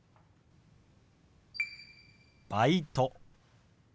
「バイト」。